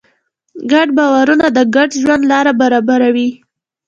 ګډ باورونه د ګډ ژوند لاره برابروي.